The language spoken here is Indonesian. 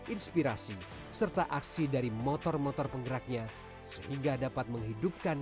inspirasi serta aksi dari motor motor penggeraknya sehingga dapat menghidupkan